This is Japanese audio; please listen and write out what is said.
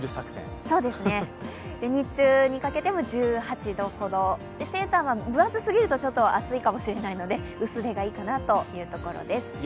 日中にかけても１８度ほど、セーターは分厚すぎると暑いかも知れないので薄手がいいかなというところです。